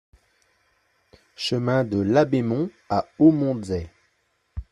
Chemin de Labémont à Aumontzey